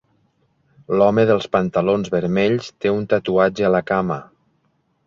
L'home dels pantalons vermells té un tatuatge a la cama.